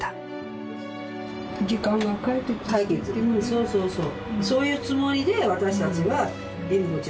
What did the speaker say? そうそうそう。